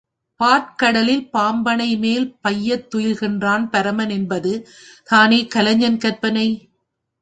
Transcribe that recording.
பாற்கடலில் பாம்பணைமேல் பையத் துயின்றான் பரமன் என்பது தானே கலைஞன் கற்பனை.